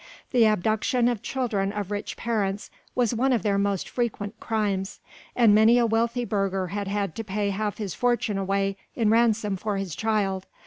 The abduction of children of rich parents was one of their most frequent crimes: and many a wealthy burgher had had to pay half his fortune away in ransom for his child.